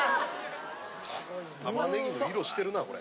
玉ねぎの色してるなこれ。